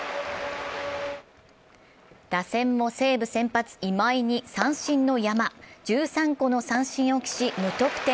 打線も西武先発・今井に三振の山、１３個の三振を喫し、無得点。